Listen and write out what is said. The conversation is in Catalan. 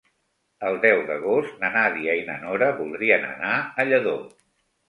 El deu d'agost na Nàdia i na Nora voldrien anar a Lladó.